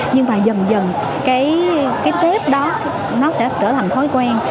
nhưng mà dần dần cái tết đó nó sẽ trở thành thói quen